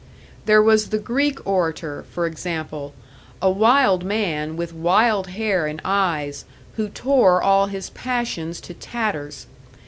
There was the Greek orator, for example; a wild man, with wild hair and eyes, who tore all his passions to tatters.